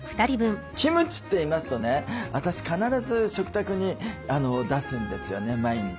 キムチっていいますとね私必ず食卓に出すんですよね毎日。